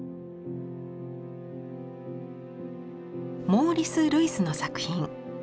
モーリス・ルイスの作品。